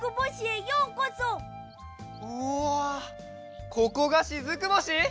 うっわここがしずく星？